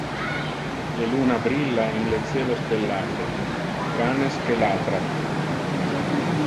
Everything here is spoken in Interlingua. Le luna brilla in le celo stellate, canes que latra.